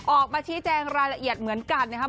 ออกมาชี้แจงรายละเอียดเหมือนกันนะครับ